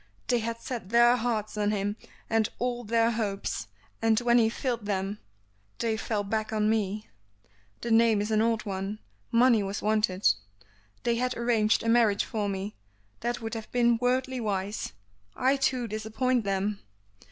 They had set their hearts on him, and all their hopes, and when he failed them they fell back on me. The name is an old one; money was wanted. They had arranged a marriage for me, that would have been worldly wise. I too disappointed them!"